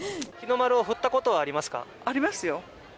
日の丸を振ったことはありますかありますよ